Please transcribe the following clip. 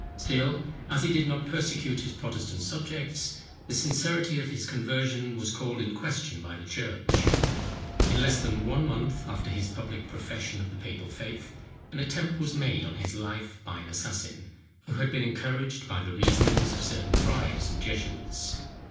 Still, as he did not persecute his Protestant subjects, the sincerity of his conversion was called in question by the church. In less than one month after his public profession of the papal faith, an attempt was made on his life by an assassin, who had been encouraged by the reasonings of certain friars and jesuits.